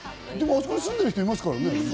あそこに住んでる人はいますからね。